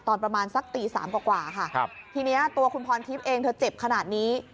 ตอนประมาณสักตีสามกว่าค่ะครับทีนี้ตัวคุณพรทิพย์เองเธอเจ็บขนาดนี้